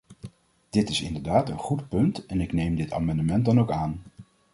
Dit is inderdaad een goed punt en ik neem dit amendement dan ook aan.